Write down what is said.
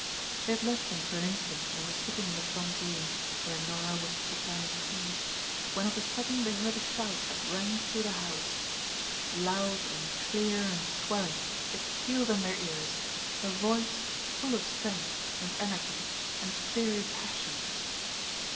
They had left him for an instant and were sitting in the front room, where Norah was preparing tea, when of a sudden they heard a shout that rang through the house. Loud and clear and swelling, it pealed in their ears a voice full of strength and energy and fiery passion.